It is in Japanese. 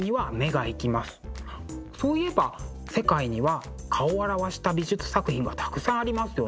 そういえば世界には顔を表した美術作品がたくさんありますよね。